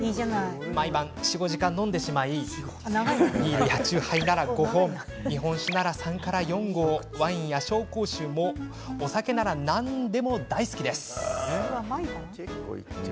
毎晩４、５時間、飲んでしまいビールや酎ハイなら５本日本酒なら３、４合ワインや紹興酒もお酒なら何でも大好きです。